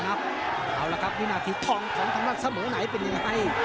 นับเอาละครับวินาทีทองทองทำลักษณ์เสมอไหนเป็นยังไง